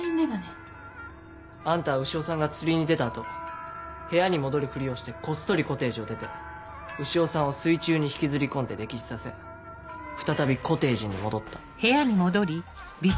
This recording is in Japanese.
あんたは潮さんが釣りに出た後部屋に戻るふりをしてこっそりコテージを出て潮さんを水中に引きずり込んで溺死させ再びコテージに戻った。